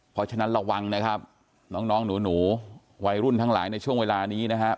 เพราะฉะนั้นระวังนะครับน้องหนูวัยรุ่นทั้งหลายในช่วงเวลานี้นะครับ